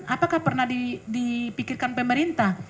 apakah pernah dipikirkan pemerintah